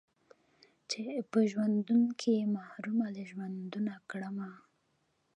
چې په ژوندون کښې يې محرومه له ژوندونه کړمه